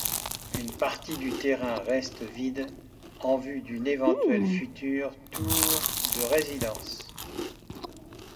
Une partie du terrain reste vide en vue d'une éventuelle future tour de résidences.